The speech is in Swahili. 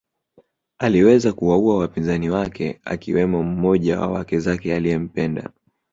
Aliweza kuwaua wapinzani wake akiwemo mmoja wa wake zake aliempenda